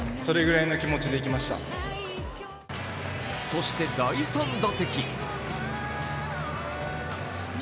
そして第３打席。